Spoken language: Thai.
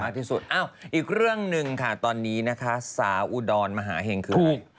ตั้งหนึ่งค่ะตอนนี้นะคะสาอุดรมหาเห็งคืออะไร